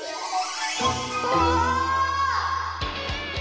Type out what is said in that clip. うわ！